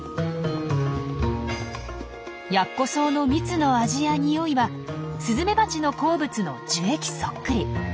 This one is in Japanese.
ヤッコソウの蜜の味や匂いはスズメバチの好物の樹液そっくり。